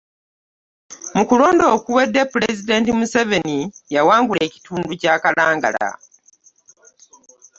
Mu kulonda okuwedde, Pulezidenti Museveni yawangula ekitundu kya Kalangala